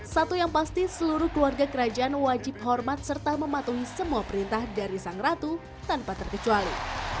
satu yang pasti seluruh keluarga kerajaan wajib hormat serta mematuhi semua perintah dari sang ratu tanpa terkecuali